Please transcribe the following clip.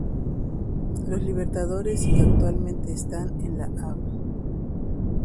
Los Libertadores y que actualmente esta en la Av.